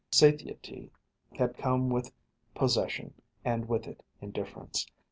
Satiety had come with possession and with it indifference.